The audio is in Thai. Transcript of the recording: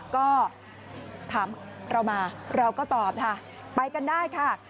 ก็ถามเรามาเราก็ตอบค่ะไปกันได้ค่ะ